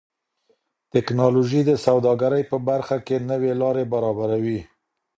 ټکنالوژي د سوداګرۍ په برخه کې نوې لارې برابروي.